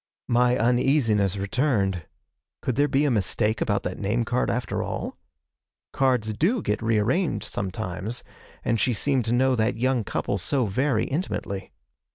My uneasiness returned. Could there be a mistake about that name card after all? Cards do get re arranged sometimes, and she seemed to know that young couple so very intimately.